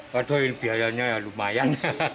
waduh biayanya lumayan